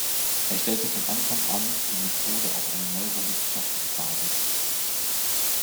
Er stellte von Anfang an die Methode auf eine neurowissenschaftliche Basis.